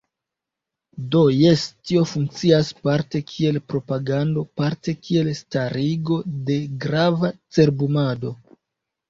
Do jes, tio funkcias parte kiel propagando, parte kiel starigo de grava cerbumado.